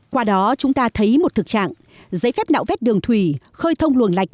qua đó chúng ta thấy một thực trạng giấy phép đạo vét đường thủy khơi thông luồng lệch